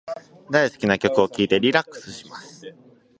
大好きな曲を聞いてリラックスします。